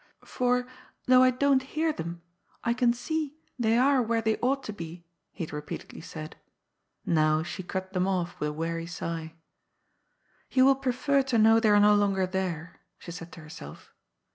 ^^ For though I don't hear them, I can see they are where they ought to be," he had repeatedly said. Now she cut them off with a weary sigh. " He will prefer to know they are no longer there," she said to herself.